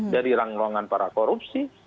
dari rangrongan para korupsi